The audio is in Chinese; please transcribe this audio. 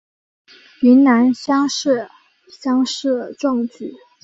云南乡试乡试中举。